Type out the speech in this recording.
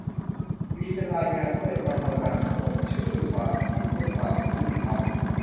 มีเป็นรายงานด้วย ประมวลมาทั้งหมดชื่อ "ความจริงเพื่อความยุติธรรม"